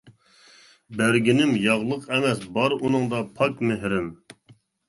بەرگىنىم ياغلىق ئەمەس، بار ئۇنىڭدا پاك مېھرىم.